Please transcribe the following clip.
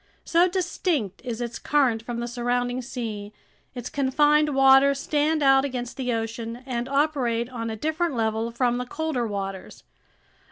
So distinct is its current from the surrounding sea, its confined waters stand out against the ocean and operate on a different level from the colder waters.